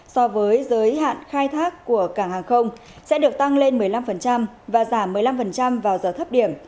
so với giới hạn khai thác của cảng hàng không sẽ được tăng lên một mươi năm và giảm một mươi năm vào giờ thấp điểm